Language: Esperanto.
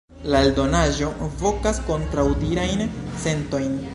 La eldonaĵo vokas kontraŭdirajn sentojn.